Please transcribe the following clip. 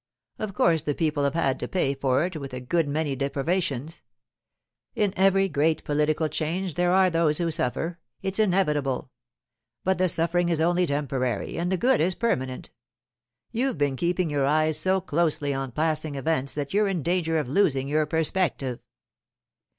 Of course the people have had to pay for it with a good many deprivations—in every great political change there are those who suffer; it's inevitable. But the suffering is only temporary, and the good is permanent. You've been keeping your eyes so closely on passing events that you're in danger of losing your perspective.